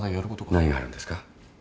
何があるんですか？